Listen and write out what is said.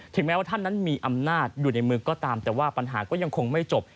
แม้ว่าท่านนั้นมีอำนาจอยู่ในมือก็ตามแต่ว่าปัญหาก็ยังคงไม่จบ